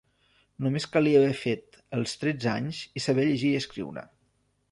Només calia haver fet els tretze anys i saber llegir i escriure.